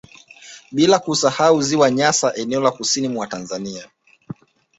Bila kusahau ziwa Nyasa eneo la kusini mwa Tanzania